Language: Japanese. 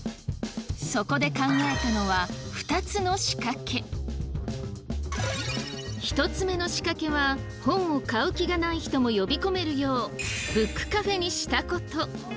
そこで考えたのは１つ目の仕掛けは本を買う気がない人も呼び込めるようブックカフェにしたこと。